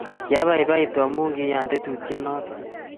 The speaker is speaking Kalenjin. kiabaibaitu omu keyan tetutienoto